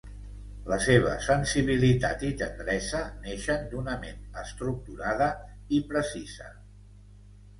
La seva sensibilitat i tendresa neixen d’una ment estructurada i precisa.